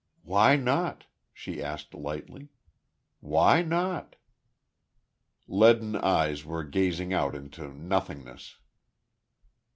"Why not?" she asked, lightly. "Why not?" Leaden eyes were gazing out into nothingness.